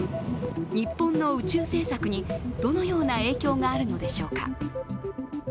日本の宇宙政策にどのような影響があるのでしょうか。